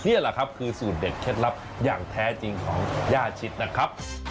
นี่แหละครับคือสูตรเด็ดเคล็ดลับอย่างแท้จริงของย่าชิดนะครับ